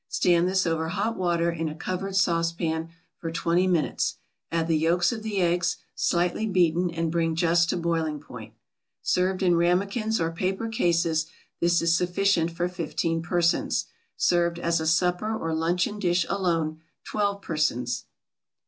Stand this over hot water in a covered saucepan for twenty minutes, add the yolks of the eggs, slightly beaten, and bring just to boiling point. Served in ramekins or paper cases this is sufficient for fifteen persons. Served as a supper or luncheon dish alone, twelve persons.